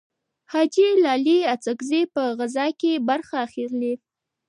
حاجي لالي اڅکزی په غزاکې برخه اخلي.